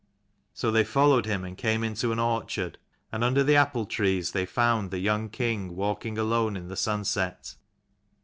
So they followed him, and came into an orchard; and under the apple trees they found the young king walking alone in the sunset.